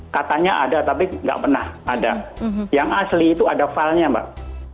katanya ada tapi tidak pernah ada yang asli itu ada filenya mbak